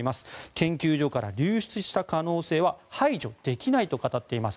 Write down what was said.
研究所から流出した可能性は排除できないと語っています。